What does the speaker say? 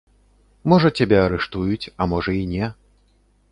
Можа, цябе арыштуюць, а можа, і не.